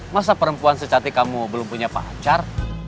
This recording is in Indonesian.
masa perempuan secatik kamu belum punya pacar